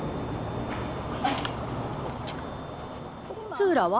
ツーラは？